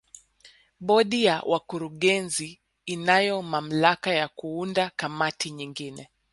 Bodi ya wakurugenzi inayo mamlaka ya kuunda kamati nyingine